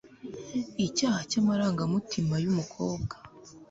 Icyaha cyamarangamutima yumukobwa